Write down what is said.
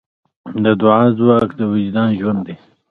د دعا ځواک د وجدان ژوند دی.